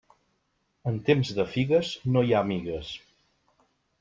En temps de figues no hi ha amigues.